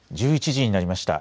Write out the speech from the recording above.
１１時になりました。